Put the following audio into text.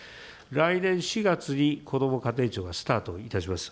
来年４月にこども家庭庁がスタートいたします。